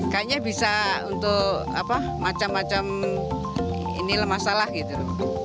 kayaknya bisa untuk apa macam macam ini masalah gitu